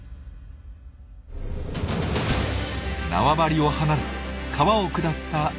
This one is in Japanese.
縄張りを離れ川を下ったアユの群れ。